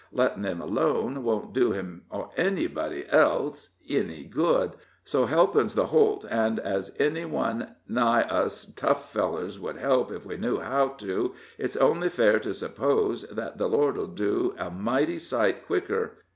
Lettin' him alone won't do him or anybody else enny good, so helpin's the holt, an' as enny one uv us tough fellers would help ef we knew how to, it's only fair to suppose thet the Lord'll do it a mighty sight quicker.